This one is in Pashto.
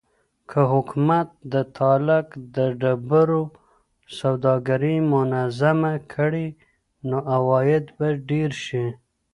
که حکومت د تالک د ډبرو سوداګري منظمه کړي نو عواید به ډېر شي.